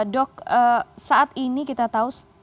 dok saat ini kita tahu